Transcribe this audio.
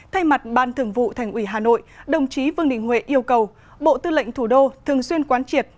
thay mặt ban thường vụ thành ủy hà nội đồng chí vương đình huệ yêu cầu bộ tư lệnh thủ đô thường xuyên quán triệt